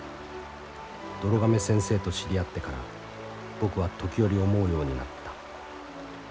どろ亀先生と知り合ってから僕は時折思うようになった。